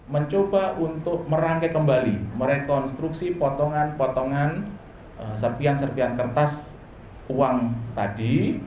mencoba untuk merangkai kembali merekonstruksi potongan potongan serpian serpian kertas uang tadi